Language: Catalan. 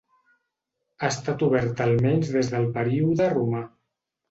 Ha estat oberta almenys des del període romà.